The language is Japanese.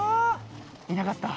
いなかった。